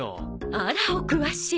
あらお詳しい。